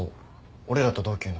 俺らと同級の。